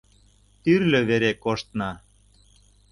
Тӱрлӧ вере коштна.